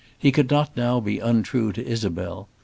He could not now be untrue to Isabel.